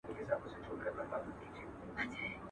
بل ملګری هم په لار کي ورپیدا سو.